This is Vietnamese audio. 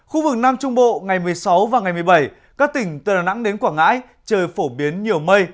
khu vực nam trung bộ ngày một mươi sáu và ngày một mươi bảy các tỉnh từ đà nẵng đến quảng ngãi trời phổ biến nhiều mây